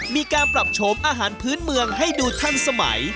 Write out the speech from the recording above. มีการปรับโฉมอาหารพื้นเมืองให้ดูทันสมัย